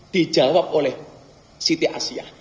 dijawab oleh siti asiah